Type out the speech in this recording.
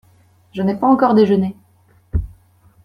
Je n’ai pas encore déjeuné.